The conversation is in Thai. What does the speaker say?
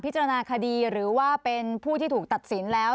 จารณคดีหรือว่าเป็นผู้ที่ถูกตัดสินแล้ว